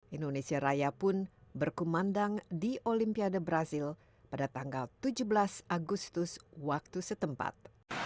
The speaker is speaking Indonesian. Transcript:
indonesia raya pun berkumandang di olimpiade brazil pada tanggal tujuh belas agustus waktu setempat